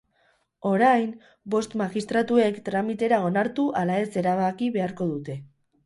Orain, bost magistratuek tramitera onartu ala ez erabaki beharko dute.